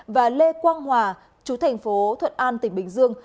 và lê quang hòa chú thành phố thuận an tỉnh bình dương